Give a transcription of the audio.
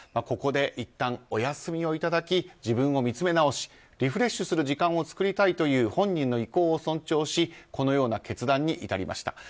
ここでいったんお休みをいただき自分を見つめ直しリフレッシュする時間を作りたいという本人の意向を尊重しこのような決断に至りました。